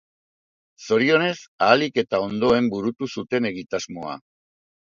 Zorionez, ahalik eta ondoen burutu zuten egitasmoa.